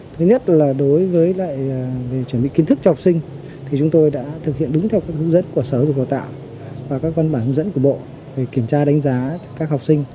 thứ nhất là đối với lại chuẩn bị kiến thức cho học sinh thì chúng tôi đã thực hiện đúng theo hướng dẫn của sở dục đào tạo và các văn bản hướng dẫn của bộ để kiểm tra đánh giá các học sinh